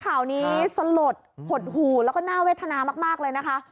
ข่าวนี้สลดหดหู่แล้วก็น่าเวทนามากเลยนะคะ